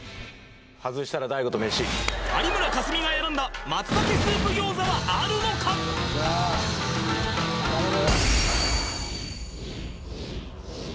外したら大悟と飯有村架純が選んだ松茸スープ餃子はあるのかさあ頼む